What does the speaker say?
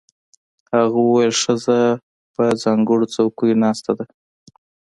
هغه وویل ښځه پر ځانګړو څوکیو ناسته ده.